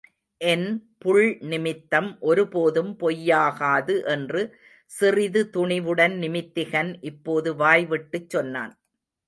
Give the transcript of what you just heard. என் புள் நிமித்தம் ஒரு போதும் பொய்யாகாது என்று சிறிது துணிவுடன் நிமித்திகன் இப்போது வாய்விட்டுச் சொன்னான்.